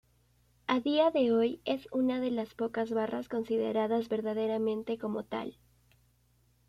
A día de hoy es una de las pocas barras consideradas verdaderamente como tal.